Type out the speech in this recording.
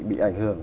bị ảnh hưởng